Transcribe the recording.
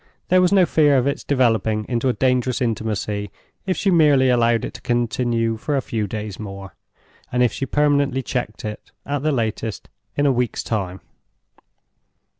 There was no fear of its developing into a dangerous intimacy if she merely allowed it to continue for a few days more, and if she permanently checked it, at the latest, in a week's time.